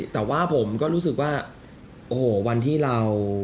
แต่ว่าผมก็รู้สึกว่าโอ้โหวันที่เรา